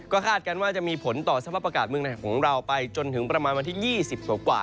คาดกันว่าจะมีผลต่อสภาพอากาศเมืองไหนของเราไปจนถึงประมาณวันที่๒๐กว่า